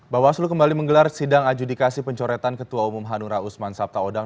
bawaslu kembali menggelar sidang adjudikasi pencoretan ketua umum hanura usman sabtaodang